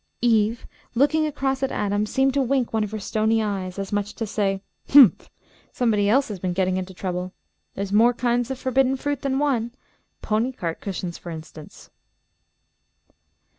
Eve, looking across at Adam, seemed to wink one of her stony eyes, as much as to say, "Humph! Somebody else has been getting into trouble. There's more kinds of forbidden fruit than one; pony cart cushions, for instance."